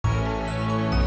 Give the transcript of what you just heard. dan menghentikan raiber